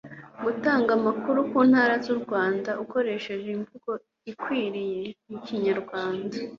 gutanga amakuru ku ntara z'u rwanda ukoresheje imvugo ikwiriye mu kinyarwanda